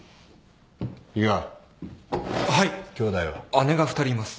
姉が二人います。